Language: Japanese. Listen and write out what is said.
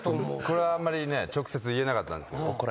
これはあんまりね直接言えなかったんですけど。